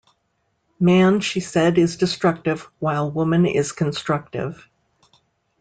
Man, she said, is destructive, while woman is constructive'.